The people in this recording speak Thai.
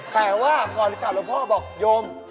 แต่ว่าก่อนกลับหลวงพ่อบอกโยม